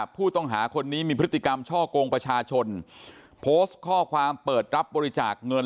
ผู้ต้องหาคนนี้มีพฤติกรรมช่อกงประชาชนโพสต์ข้อความเปิดรับบริจาคเงิน